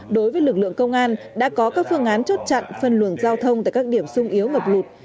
đối với lực lượng công an đã có các phương án chốt chặn phân luồng giao thông tại các điểm sung yếu ngập lụt